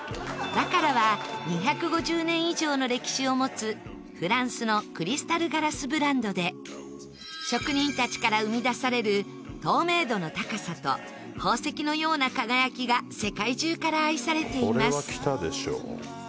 バカラは２５０年以上の歴史を持つフランスのクリスタルガラスブランドで職人たちから生み出される透明度の高さと宝石のような輝きが世界中から愛されています富澤：これは、きたでしょ。